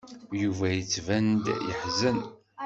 Yuba yettban-d yeḥzen.